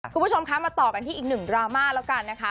คุณผู้ชมคะมาต่อกันที่อีกหนึ่งดราม่าแล้วกันนะคะ